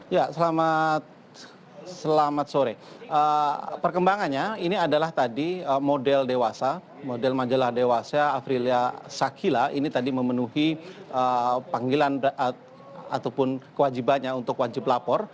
ya selamat sore perkembangannya ini adalah tadi model dewasa model majalah dewasa afrilia sakila ini tadi memenuhi panggilan ataupun kewajibannya untuk wajib lapor